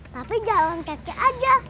tapi jalan kecil aja